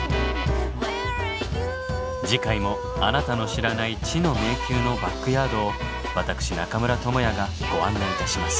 次回もあなたの知らない知の迷宮のバックヤードを私中村倫也がご案内いたします。